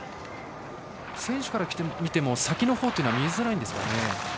選手から見ても、先のほうは見えづらいんですかね。